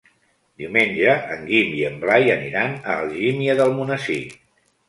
Diumenge en Guim i en Blai aniran a Algímia d'Almonesir.